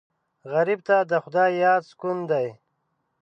غریب ته د خدای یاد سکون دی